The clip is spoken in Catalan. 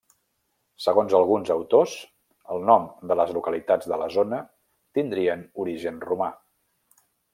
Segons alguns autors, els noms de les localitats de la zona tindrien origen romà.